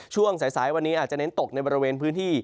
ช่วงสายวันนี้อาจจะเน้นตกในบริเวณพื้นที่